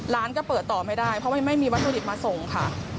ร้านก็เปิดต่อไม่ได้เพราะมันไม่มีวัตถุดิบมาส่งค่ะ